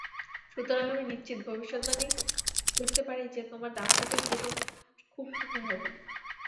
সুতরাং আমি নিশ্চিত ভবিষ্যদ্বাণী করতে পারি যে, তোমার দাম্পত্য-জীবন খুব সুখের হবে।